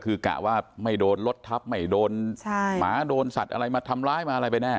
คือกะว่าไม่โดนรถทับไม่โดนหมาโดนสัตว์อะไรมาทำร้ายมาอะไรไปแน่